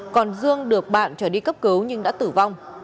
còn dương được bạn trở đi cấp cứu nhưng đã tử vong